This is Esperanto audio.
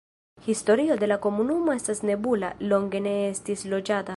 Historio de la komunumo estas nebula, longe ne estis loĝata.